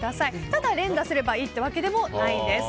ただ連打すればいいというわけでもないんです。